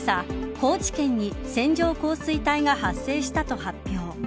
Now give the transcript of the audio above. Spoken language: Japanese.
高知県に線状降水帯が発生したと発表。